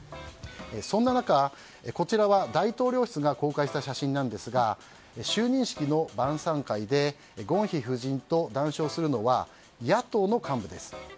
そんな中、こちらは大統領室が公開した写真ですが就任式の晩さん会でゴンヒ夫人と談笑するのは野党の幹部です。